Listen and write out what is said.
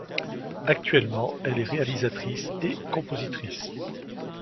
Actuellement, elle est réalisatrice et compositrice.